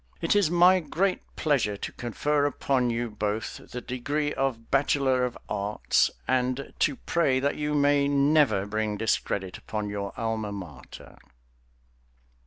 It is my great pleasure to confer upon you both the degree of bachelor of arts and to pray that you may never bring discredit upon your alma mater.